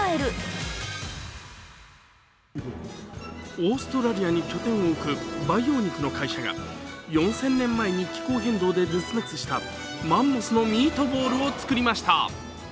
オーストラリアに拠点を置く培養肉の会社が４０００年前に気候変動で絶滅したマンモスのミートボールを作りました。